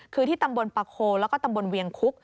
คือที่ตำบลปะโคแล้วก็ตำบลเวียงคุก